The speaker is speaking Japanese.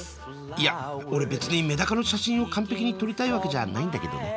いや俺別にメダカの写真を完璧に撮りたいわけじゃないんだけどね。